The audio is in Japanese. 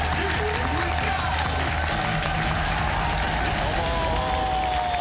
どうも。